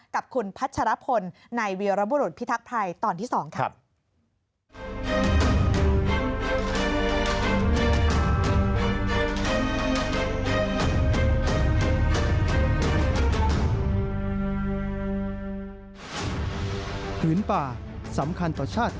กับคุณพัชรพลในเวียรบุรุษพิทักษ์ภัยตอนที่๒ครับ